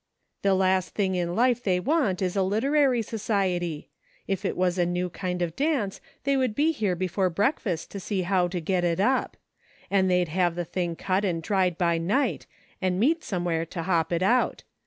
The last thing in life they want is a literary society ; if it was a new kind of dance they would be here before breakfast to see how to get it up ; and they'd have the thing cut and dried by night, and meet somewhere to hop it out.